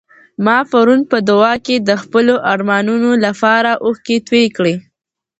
ما پرون په دعا کي د خپلو ارمانونو لپاره اوښکې تویې کړې.